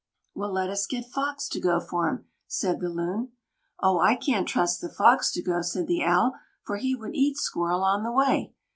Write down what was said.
"Well, let us get Fox to go for him," said the Loon. "Oh! I can't trust the Fox to go," said the Owl; "for he would eat Squirrel on the way.